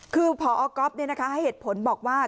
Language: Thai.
คือพอก๊อฟเนี่ยนะคะให้เห็ดผลบอกว่า